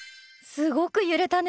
すごく揺れたね。